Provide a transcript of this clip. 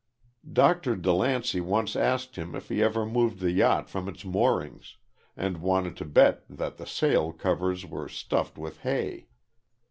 Dr. DeLancey once asked him if he ever moved the yacht from its moorings, and wanted to bet that the sail covers were stuffed with hay.